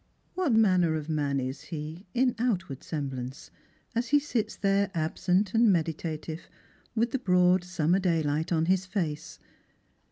What manner of man is he, in outward semblance, as he sits there absent and meditative, with the broad summer daylight on his face